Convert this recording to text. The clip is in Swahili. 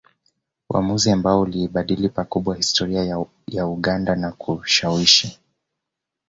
Uamuzi ambao uliibadili pakubwa historia ya Uganda na kushawishi